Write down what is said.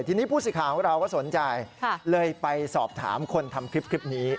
ทีนี้ผู้สื่อข่าวของเราก็สนใจเลยไปสอบถามคนทำคลิปนี้